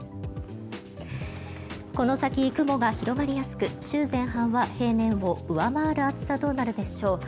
この先、雲が広がりやすく週前半は平年を上回る暑さとなるでしょう。